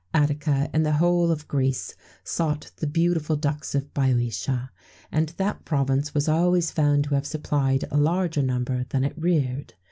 Attica and the whole of Greece sought the beautiful ducks of Bœotia,[XVII 38] and that province was always found to have supplied a larger number than it reared.